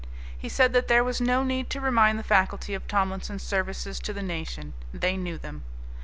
He said that there was no need to remind the faculty of Tomlinson's services to the nation; they knew them.